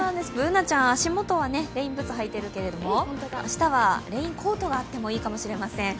Ｂｏｏｎａちゃん、足元はレインブーツ履いているけども、明日はレインコートがあってもいいかもしれません。